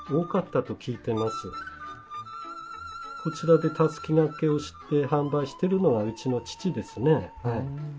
こちらでたすきがけをして販売してるのがうちの父ですね。